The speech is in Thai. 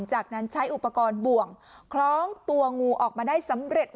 จากนั้นใช้อุปกรณ์บ่วงคล้องตัวงูออกมาได้สำเร็จ